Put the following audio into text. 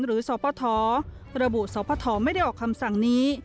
สปทระบุสพไม่ได้ออกคำสั่งนี้